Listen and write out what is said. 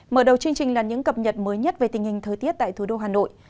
mở đầu chương trình là những cập nhật mới nhất về tình hình thời tiết tại thủ đô hà nội